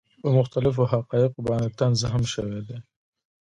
پۀ مختلفو حقائقو باندې طنز هم شوے دے،